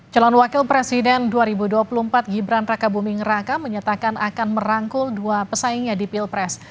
calon wakil presiden dua ribu dua puluh empat gibran raka buming raka menyatakan akan merangkul dua pesaingnya di pilpres